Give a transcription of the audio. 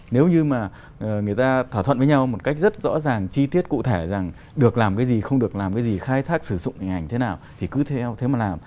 nếu như mà người ta thỏa thuận với nhau một cách rất rõ ràng chi tiết cụ thể rằng được làm cái gì không được làm cái gì khai thác sử dụng hình ảnh thế nào thì cứ theo thế mà làm